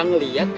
ya coba lihat tuh